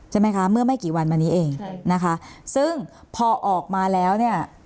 ใช่ไหมคะเมื่อไม่กี่วันมานี้เองนะคะซึ่งพอออกมาแล้วเนี่ย